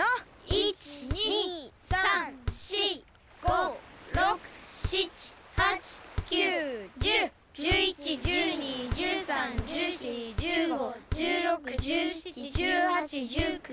１２３４５６７８９１０１１１２１３１４１５１６１７１８１９２０２１。